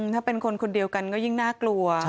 ถ้าเป็นคนคนเดียวกันก็ยิ่งน่ากลัว